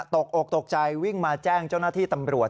ตกอกตกใจวิ่งมาแจ้งเจ้าหน้าที่ตำรวจ